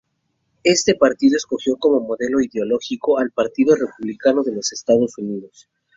Este partido escogió como modelo ideológico al Partido Republicano de los Estados Unidos.